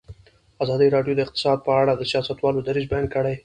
ازادي راډیو د اقتصاد په اړه د سیاستوالو دریځ بیان کړی.